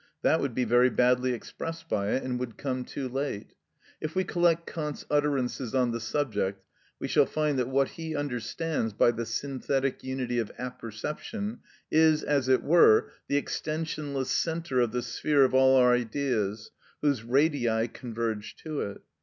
That would be very badly expressed by it, and would come too late. If we collect Kant's utterances on the subject, we shall find that what he understands by the synthetic unity of apperception is, as it were, the extensionless centre of the sphere of all our ideas, whose radii converge to it.